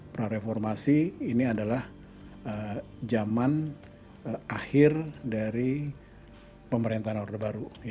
prareformasi ini adalah zaman akhir dari pemerintahan orde baru